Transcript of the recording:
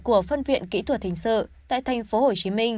của phân viện kỹ thuật hình sự tại tp hcm